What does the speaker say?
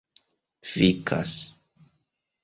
fikas